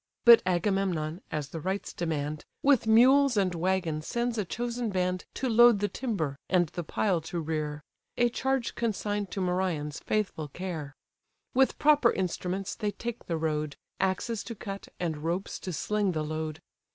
But Agamemnon, as the rites demand, With mules and waggons sends a chosen band To load the timber, and the pile to rear; A charge consign'd to Merion's faithful care. With proper instruments they take the road, Axes to cut, and ropes to sling the load.